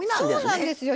そうなんですよ。